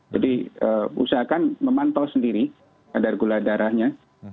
jadi usahakan memantau sendiri kadar gula darahnya